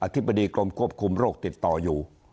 ธิบดีกรมควบคุมโรคติดต่ออยู่